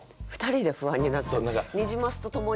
ニジマスとともに？